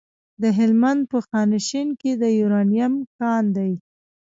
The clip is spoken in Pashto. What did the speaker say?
د هلمند په خانشین کې د یورانیم کان دی.